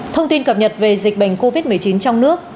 thông tin cập nhật về dịch bệnh covid một mươi chín trong nước